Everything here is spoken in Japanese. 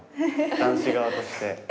男子側として。